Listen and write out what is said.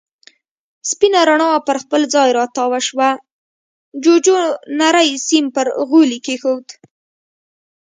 سپينه رڼا پر خپل ځای را تاوه شوه، جُوجُو نری سيم پر غولي کېښود.